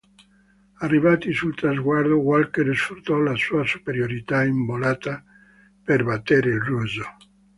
Arrivati sul traguardo, Walker sfruttò la sua superiorità in volata per battere il russo.